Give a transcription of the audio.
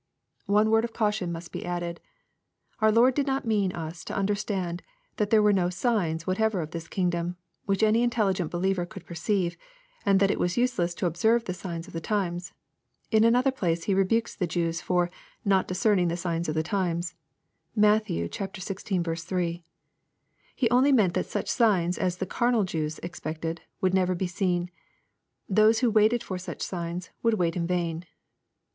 One word of caution must be added. Our Lord did not mean us to understand, that there were no " signs" whatever of this kingdom, which any intelligent believer could perceive, and that it was useless to observe the signs of the times. In another place He rebukes the Jews for " not discerning the signs of the times." (Matt. xvi. 3.) He only meant that such signs as the carnal Jews expected, would never be seen. Those who waited for such signs would wait in vain.